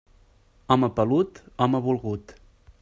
Home pelut, home volgut.